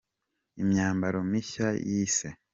imyambaro mishya yise.